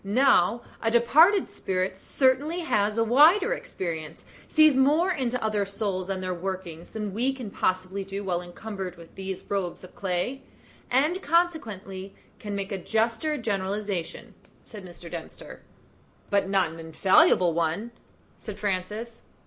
Now, a departed spirit certainly has had a wider experience sees more into other souls and their workings than we can possibly do while encumbered with these robes of clay and consequently can make a juster generalization," said Mr. Dempster. "But not an infallible one?" said Francis.